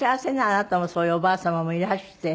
あなたもそういうおばあ様もいらして。